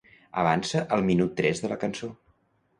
Avança al minut tres de la cançó.